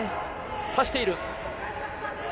差している。